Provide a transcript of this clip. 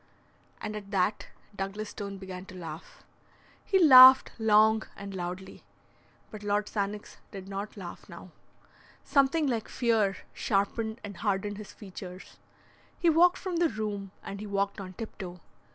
And at that Douglas Stone began to laugh. He laughed long and loudly. But Lord Sannox did not laugh now. Something like fear sharpened and hardened his features. He walked from the room, and he walked on tiptoe.